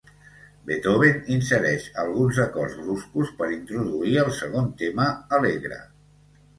Beethoven insereix alguns acords bruscos per introduir el segon tema, alegre.